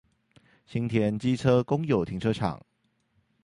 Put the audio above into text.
新田機車公有停車場